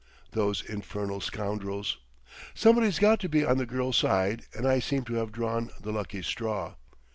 Those infernal scoundrels!...Somebody's got to be on the girl's side and I seem to have drawn the lucky straw....